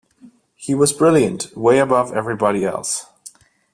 He was brilliant, way above everybody else.